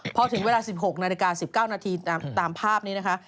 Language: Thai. พอถึงเวลา๑๖นาฬิกา๑๙นาทีตามภาพนี้นะคะ